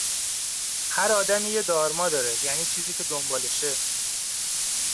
هر آدمی یه دارما داره، یعنی چیزی که دنبالشه